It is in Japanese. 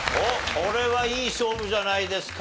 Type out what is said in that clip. これはいい勝負じゃないですか？